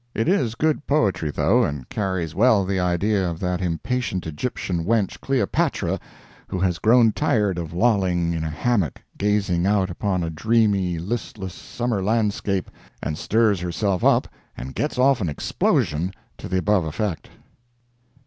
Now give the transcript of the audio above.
It is good poetry, though, and carries well the idea of that impatient Egyptian wench, Cleopatra, who has grown tired of lolling in a hammock, gazing out upon a dreamy, listless summer landscape, and stirs herself up and gets off an explosion to the above effect.